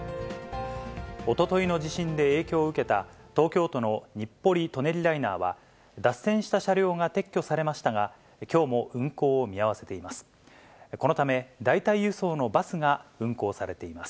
おとといの地震で影響を受けた東京都の日暮里・舎人ライナーは、脱線した車両が撤去されましたが、きょうも運行を見合わせています。